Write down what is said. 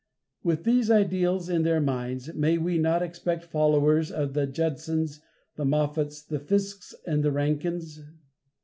With these ideals in their minds, may we not expect followers of the Judsons, the Moffats, the Fiskes and the Rankins?